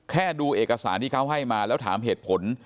ดูเอกสารที่เขาให้มาแล้วถามเหตุผล